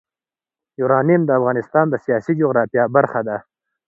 یورانیم د افغانستان د سیاسي جغرافیه برخه ده.